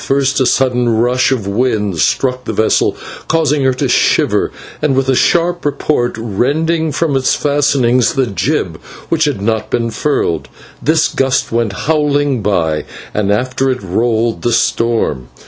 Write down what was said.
First a sudden rush of wind struck the vessel, causing her to shiver, and with a sharp report rending from its fastenings the jib, which had not been furled. This gust went howling by, and after it rolled the storm.